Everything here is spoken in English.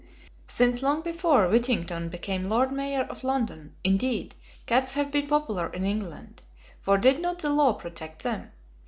Since long before Whittington became Lord Mayor of London, indeed, cats have been popular in England: for did not the law protect them?